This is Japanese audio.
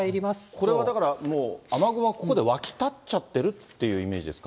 これはだからもう、雨雲はここで湧き立っちゃってるってイメージですか？